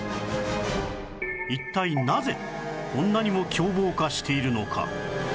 一体なぜこんなにも凶暴化しているのか？